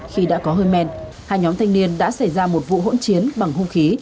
khi đã có hơi men hai nhóm thanh niên đã xảy ra một vụ hỗn chiến bằng hung khí